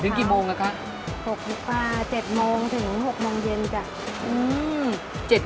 ถึงกี่โมงแล้วคะ๖ประมาณ๗โมงถึง๖โมงเย็นค่ะ